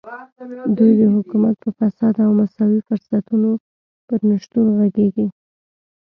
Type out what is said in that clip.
دوی د حکومت په فساد او د مساوي فرصتونو پر نشتون غږېږي.